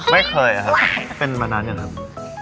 ไม่เคยครับเป็นมานานยังครับ